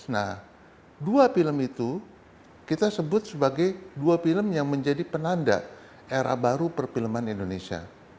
nah dua film itu kita sebut sebagai dua film yang menjadi penanda era baru perfilman indonesia